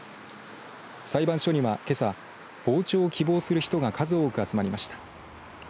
裁判所にはけさ傍聴を希望する人が数多く集まりました。